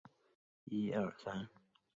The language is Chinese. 祖父洪长庚是台湾首位眼科博士。